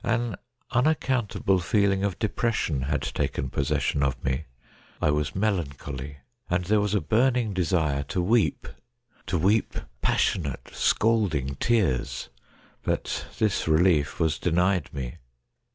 An unaccountable feeling of depres sion had taken possession of me. I was melancholy, and there was a burning desire to weep— to weep passionate, scalding tears ; but this relief was denied me.